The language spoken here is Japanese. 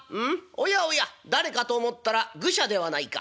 おやおや誰かと思ったら愚者ではないか。